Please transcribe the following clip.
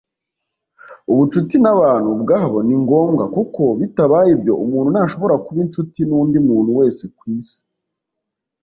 ubucuti n'abantu ubwabo ni ngombwa, kuko bitabaye ibyo umuntu ntashobora kuba inshuti n'undi muntu wese ku isi